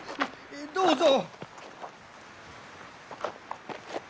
どうぞ。